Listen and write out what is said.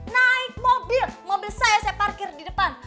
naik mobil mobil saya saya parkir di depan